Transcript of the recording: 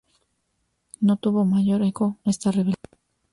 No tuvo mayor eco esta rebelión.